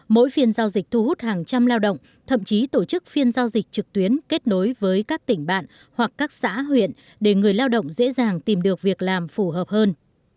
mỗi phiên giao dịch thu hút hàng trăm lao động thậm chí tổ chức phiên giao dịch trực tuyến kết nối với các tỉnh bạn hoặc các xã huyện để người lao động dễ dàng tìm được việc làm phù hợp hơn